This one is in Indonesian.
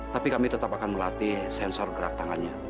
tapi kami tetap akan melatih sensor gerak tangannya